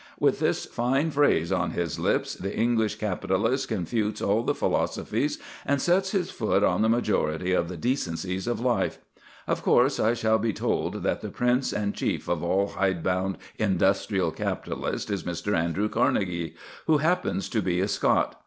With this fine phrase on his lips, the English capitalist confutes all the philosophies and sets his foot on the majority of the decencies of life. Of course, I shall be told that the prince and chief of all hide bound industrial capitalists is Mr. Andrew Carnegie, who happens to be a Scot.